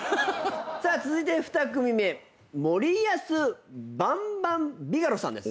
さあ続いて２組目もりやすバンバンビガロさんです。